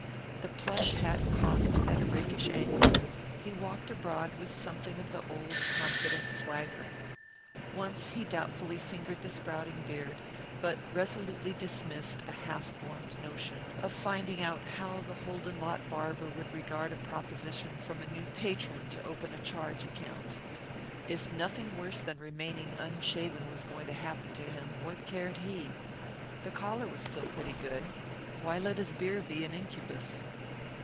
The plush hat cocked at a rakish angle, he walked abroad with something of the old confident swagger. Once he doubtfully fingered the sprouting beard, but resolutely dismissed a half formed notion of finding out how the Holden lot barber would regard a proposition from a new patron to open a charge account. If nothing worse than remaining unshaven was going to happen to him, what cared he? The collar was still pretty good. Why let his beard be an incubus?